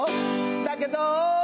だけど